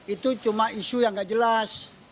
itu cuma isu yang nggak jelas